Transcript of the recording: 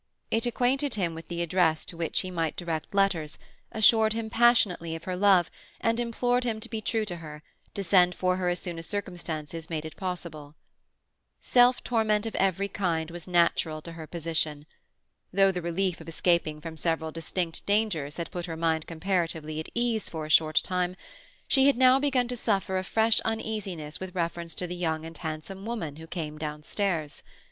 It acquainted him with the address to which he might direct letters, assured him passionately of her love, and implored him to be true to her, to send for her as soon as circumstances made it possible. Self torment of every kind was natural to her position. Though the relief of escaping from several distinct dangers had put her mind comparatively at ease for a short time, she had now begun to suffer a fresh uneasiness with reference to the young and handsome woman who came downstairs.